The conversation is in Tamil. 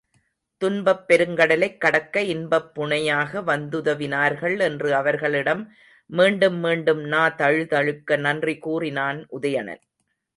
துன்பப் பெருங்கடலைக் கடக்க இன்பப் புணையாக வந்துதவினர்கள் என்று அவர்களிடம் மீண்டும் நா தழுதழுக்க நன்றி கூறினான் உதயணன்.